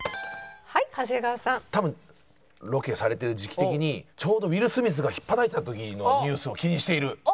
はい長谷川さん。多分ロケされてる時期的にちょうどウィル・スミスがひっぱたいた時のニュースを気にしている。